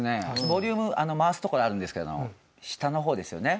ボリューム回すところあるんですけれども下の方ですよね。